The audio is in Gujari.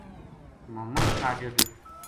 محمد ساجد